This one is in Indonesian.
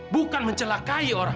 bukan mencelakai orang